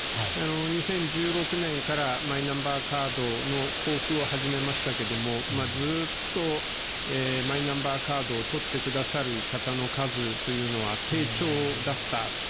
２０１６年からマイナンバーカードの交付を始めましたけれども、ずっとマイナンバーカードを取ってくださる方の数っていうのは低調だった。